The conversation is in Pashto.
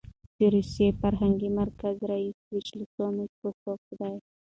د روسي فرهنګي مرکز رییس ویچسلو نکراسوف دی.